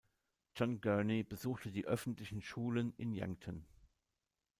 John Gurney besuchte die öffentlichen Schulen in Yankton.